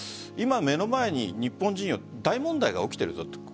今、目の前に日本人は大問題が起きているぞと。